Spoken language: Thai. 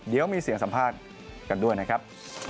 เดี๋ยวมีเสียงสัมภาษณ์กันด้วยนะครับ